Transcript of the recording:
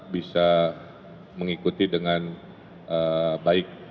bisa mengikuti dengan baik